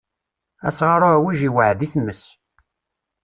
Asɣaṛ uɛwij iweɛɛed i tmes.